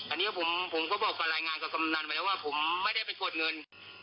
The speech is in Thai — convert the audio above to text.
อันนี้ผมก็บอกกับรายงานกับกำนันไปแล้วว่าผมไม่ได้ไปกดเงิน